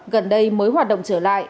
gần đây mới hoạt động trở lại